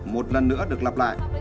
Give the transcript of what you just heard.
một lần nữa được lặp lại